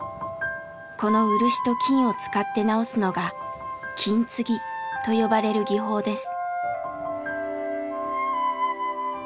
この漆と金を使って直すのが「金継ぎ」と呼ばれる技法です。